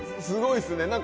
すごいっすね。